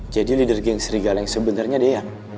jadi leader geng serigala yang sebenernya dia